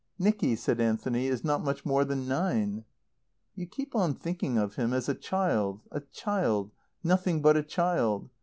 "Nicky," said Anthony, "is not much more than nine." "You keep on thinking of him as a child a child nothing but a child.